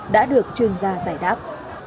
đã được chuyên gia giải đáp